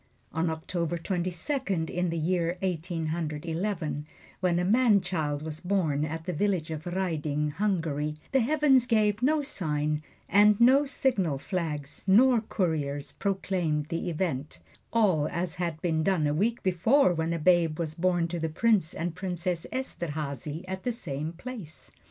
On October Twenty second, in the year Eighteen Hundred Eleven, when a man child was born at the village of Raiding, Hungary, the heavens gave no sign, and no signal flags nor couriers proclaimed the event, all as had been done a week before when a babe was born to the Prince and Princess Esterhazy at the same place.